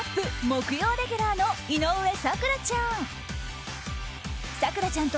木曜レギュラーの井上咲楽ちゃん。